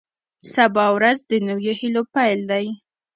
سبا ورځ د نویو هیلو پیل دی.